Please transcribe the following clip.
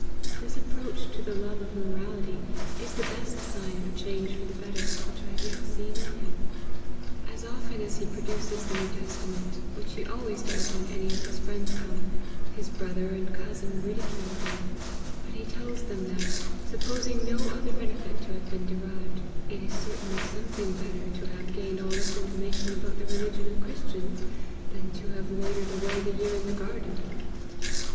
This approach to the love of morality, is the best sign of a change for the better, which I have yet seen in him. As often as he produces the New Testament, which he always does when any of his friends come, his brother and cousin ridicule him ; but he tells them that, supposing no other benefit to have been de rived, it is certainly something better to have gained all this information about the religion of Christians, than to have loitered away the year in the garden."